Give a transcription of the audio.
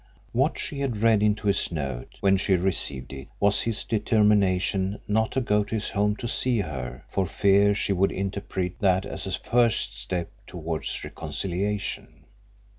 What she had read into his note, when she received it, was his determination not to go to his home to see her for fear she would interpret that as a first step towards reconciliation.